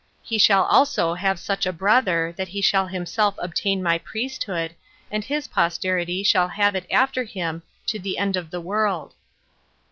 He shall also have such a brother, that he shall himself obtain my priesthood, and his posterity shall have it after him to the end of the world.